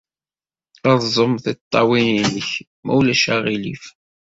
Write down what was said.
Rẓem tiṭṭawin-nnek, ma ulac aɣilif.